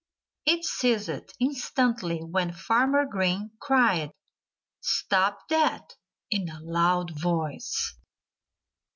It ceased instantly when Farmer Green cried "Stop that!" in a loud voice.